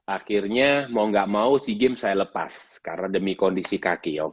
akhirnya mau gak mau sea games saya lepas karena demi kondisi kaki